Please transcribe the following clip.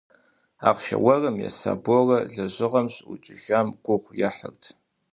Ахъшэ уэрым еса Борэ лэжьыгъэм щыӏукӏыжам гугъу ехьырт.